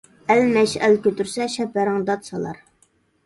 ئەل مەشئەل كۆتۈرسە، شەپەرەڭ دات سالار.